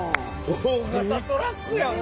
大型トラックやん